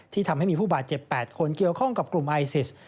ทำให้มีผู้บาดเจ็บ๘คนเกี่ยวข้องกับกลุ่มไอซิส